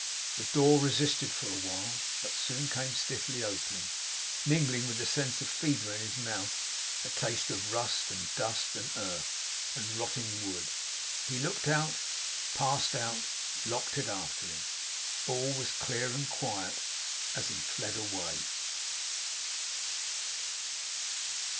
The door resisted for a while, but soon came stiffly open; mingling with the sense of fever in his mouth, a taste of rust, and dust, and earth, and rotting wood. He looked out; passed out; locked it after him. All was clear and quiet, as he fled away.